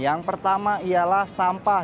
yang pertama ialah sampah